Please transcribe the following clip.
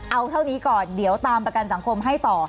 เอาเท่านี้ก่อนเดี๋ยวตามประกันสังคมให้ต่อ